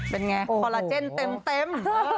เป็นอย่างไรคอลลาเจนเต็ม